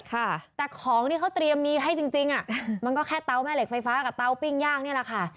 ค่ะแต่ของที่เขาเตรียมมีให้จริงมันก็แค่เตาแม่เหล็กไฟฟ้ากับเตาปิ้งย่างนี่แหละค่ะ